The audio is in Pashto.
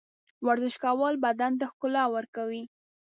ورزش کول بدن ته ښکلا ورکوي.